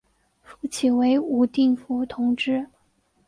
复起为武定府同知。